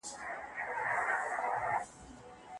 د حق لپاره ودریږئ.